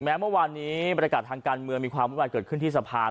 เมื่อวานนี้บรรยากาศทางการเมืองมีความวุ่นวายเกิดขึ้นที่สะพาน